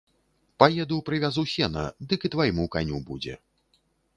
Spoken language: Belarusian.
Паеду прывязу сена, дык і твайму каню будзе.